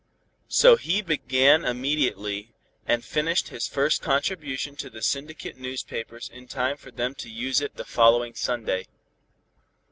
So he began immediately, and finished his first contribution to the syndicate newspapers in time for them to use it the following Sunday.